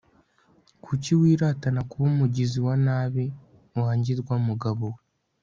kuki wiratana kuba umugizi wa nabi, wa ngirwamugabo we